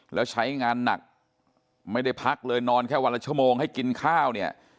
แล้วใช้งานหนักไม่ได้พักเลยนอนแค่วันละชั่วโมงให้กินข้าวเนี่ย